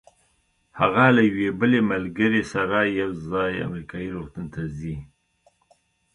هغه له یوې بلې ملګرې سره یو ځای امریکایي روغتون ته ځي.